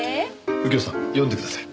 右京さん読んでください。